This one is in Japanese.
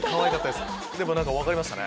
でも何か分かりましたね。